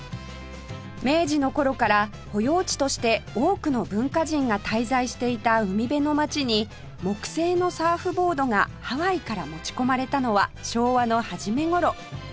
明治の頃から保養地として多くの文化人が滞在していた海辺の街に木製のサーフボードがハワイから持ち込まれたのは昭和の初め頃